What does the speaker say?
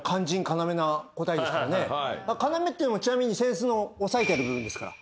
要っていうのもちなみに扇子の押さえてる部分ですから。